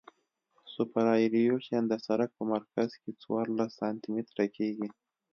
سوپرایلیویشن د سرک په مرکز کې څوارلس سانتي متره کیږي